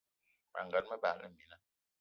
Mas gan, me bagla mina